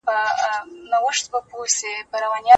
علم د هرې ستونزې حل دی.